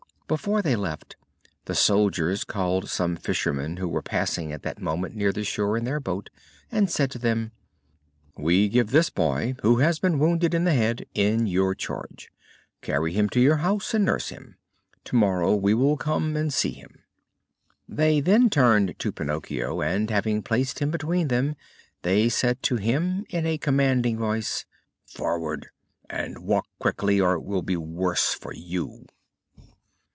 Before they left, the soldiers called some fishermen who were passing at that moment near the shore in their boat, and said to them: "We give this boy who has been wounded in the head in your charge. Carry him to your house and nurse him. Tomorrow we will come and see him." They then turned to Pinocchio and, having placed him between them, they said to him in a commanding voice: "Forward! and walk quickly, or it will be the worse for you."